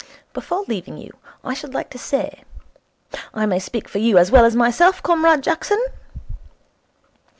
Before leaving you, I should like to say I may speak for you as well as myself, Comrade Jackson